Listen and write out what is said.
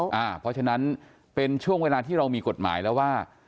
เพราะฉะนั้นเป็นช่วงเวลาที่เรามีกฎหมายแล้วว่า